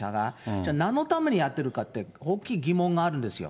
じゃあ、なんのためにやってるかって、大きい疑問があるんですよ。